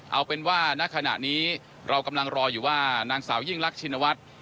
เอาเป็นว่าณขณะนี้เรากำลังรออยู่ว่านางสาวยิ่งรักชินวัฒน์